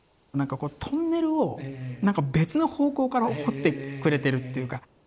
何かこうトンネルを何か別の方向から掘ってくれてるっていうか。